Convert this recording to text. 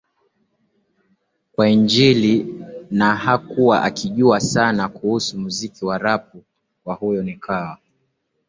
wa injili na hakuwa akijua sana kuhusu muziki wa Rapu kwa hiyo nikawa